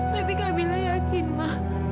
tapi kamilah yakin ma